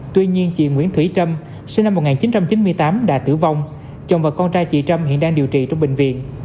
tuy nhiên chị nguyễn thủy trâm sinh năm một nghìn chín trăm chín mươi tám đã tử vong chồng và con trai chị trâm hiện đang điều trị trong bệnh viện